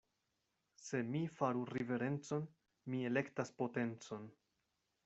Se mi faru riverencon, mi elektas potencon.